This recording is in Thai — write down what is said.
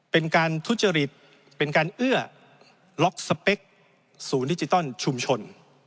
เป็นการทุจริตเป็นการเอื้อล็อกสเปคศูนย์ดิจิตอลชุมชน